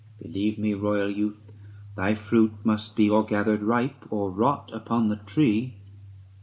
Believe me, royal youth, thy fruit must be 250 Or gathered ripe, or rot upon the tree.